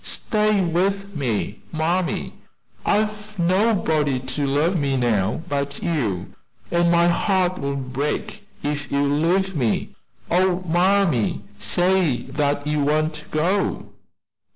Stay with me, mammy! I've nobody to love me now but you, and my heart will break if you leave me. Oh, mammy, say that you won't go!"